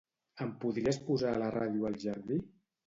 Em podries posar la ràdio al jardí?